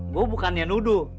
gue bukannya nuduh